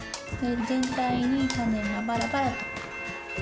全体に種がバラバラと。